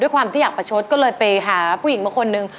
ความที่อยากประชดก็เลยไปหาผู้หญิงมาคนนึง